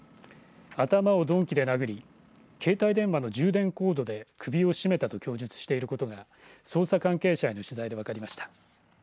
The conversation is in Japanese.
頭を鈍器で殴り携帯電話の充電コードで首を絞めたと供述していることが捜査関係者への取材で分かりました。